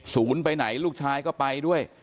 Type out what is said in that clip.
ศูนย์ไปไหนลูกชายก็ไปด้วย